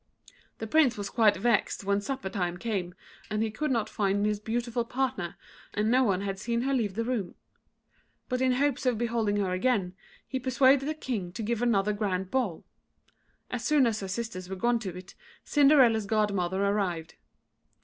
The Prince was quite vexed when supper time came, and he could not find his beautiful partner, and no one had seen her leave the room. But in hopes of beholding her again, he persuaded the King to give another grand ball. As soon as her sisters were gone to it, Cinderella's godmother arrived.